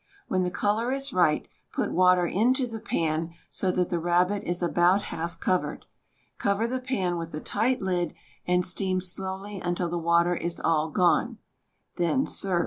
When the color is right put water into the pan so that the rabbit is about half covered. Cover the pan with a tight lid and steam slowly until the water is all gone. Then serve.